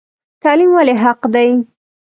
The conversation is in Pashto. تعلیم ولې حق دی؟